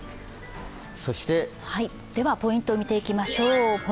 そしてではポイントを見ていきましょう。